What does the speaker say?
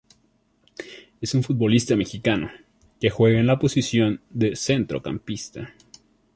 Es un futbolista mexicano, que juega en la posición de centrocampista.